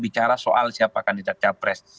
bicara soal siapakah ini cawapres